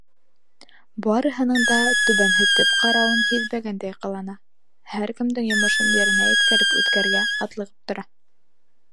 Барыһының да түбәнһетеп ҡарауын һиҙмәгәндәй ҡылана, һәр кемдең йомошон еренә еткереп үтәргә атлығып тора.